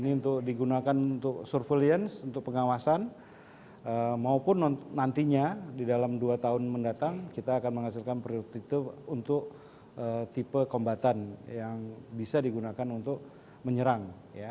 ini untuk digunakan untuk surveillance untuk pengawasan maupun nantinya di dalam dua tahun mendatang kita akan menghasilkan produktivitas untuk tipe kombatan yang bisa digunakan untuk menyerang